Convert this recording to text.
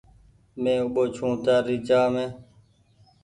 مين اوٻو ڇون تآري چآه مين ۔